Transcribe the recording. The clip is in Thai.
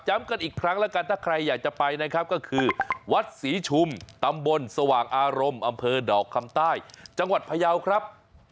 กันอีกครั้งแล้วกันถ้าใครอยากจะไปนะครับก็คือวัดศรีชุมตำบลสว่างอารมณ์อำเภอดอกคำใต้จังหวัดพยาวครับ